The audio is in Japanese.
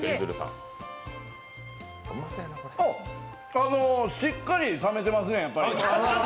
あっ、しっかり冷めてますねやっぱり。